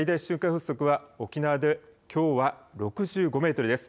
風速は沖縄できょうは６５メートルです。